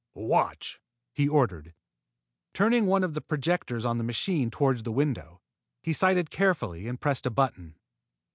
"Watch!" he ordered. Turning one of the projectors on the machine toward the window, he sighted carefully and pressed a button.